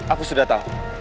aku sudah tahu